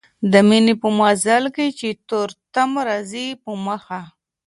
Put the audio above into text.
د ميني په مزل کي چي تور تم راځي په مخه